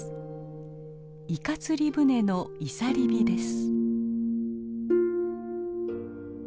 イカ釣り船のいさり火です。